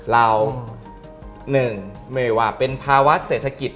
หนึ่งไม่ว่าเป็นภาวะเศรษฐกิจ